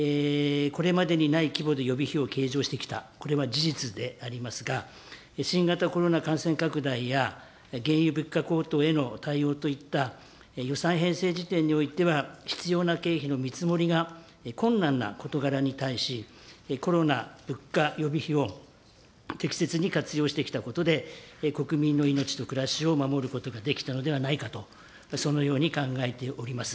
令和２年度、補正予算以降、先生、ご指摘のとおり、これまでにない規模で予備費を計上してきた、これは事実でありますが、新型コロナ感染拡大や、原油物価高騰への対応といった、予算編成時点においては、必要な経費の見積もりが困難な事柄に対し、コロナ物価予備費を適切に活用してきたことで、国民の命と暮らしを守ることができたのではないかと、そのように考えております。